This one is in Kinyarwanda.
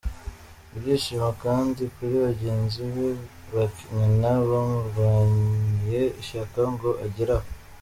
Ibyishimo kandi kuri bagenzi be bakinana bamurwaniye ishyaka ngo agere aha.